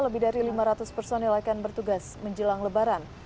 lebih dari lima ratus personil akan bertugas menjelang lebaran